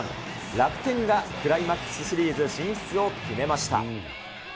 楽天がクライマックスシリーズ進出を決めました。